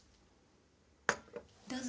どうぞ。